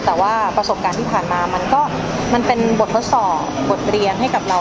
แต่ว่าประสบการณ์ที่ผ่านมามันก็มันเป็นบททดสอบบทเรียนให้กับเรา